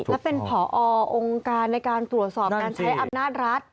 และเป็นผอองค์การในการตรวจสอบการใช้อำนาจรัฐ